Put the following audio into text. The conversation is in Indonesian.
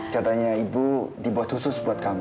katanya ibu dibuat khusus buat kami